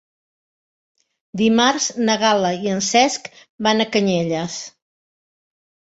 Dimarts na Gal·la i en Cesc van a Canyelles.